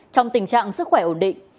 trong tình trạng sức khỏe ổn định